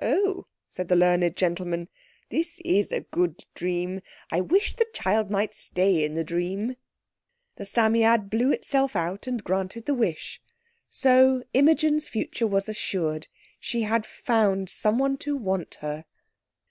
"Oh," said the learned gentleman, "this is a good dream. I wish the child might stay in the dream." The Psammead blew itself out and granted the wish. So Imogen's future was assured. She had found someone to want her.